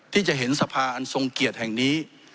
ที่จะเห็นสะพานอันทรงเกียรติแห่งนี้